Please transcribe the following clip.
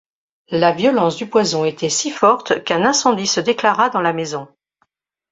La violence du poison était si forte qu'un incendie se déclara dans la maison.